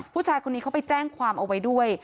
ผู้ชายคนนี้เขาไปแจ้งความเอาไว้ด้วย